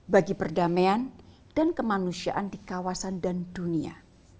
bagi perdamaian dan kemanusiaan di kawasan dan dunia